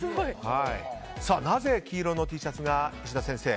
なぜ黄色のＴシャツが石田先生